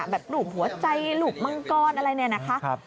แบบหลุมหัวใจหลุมมังก้อนอะไรแน่นะคะ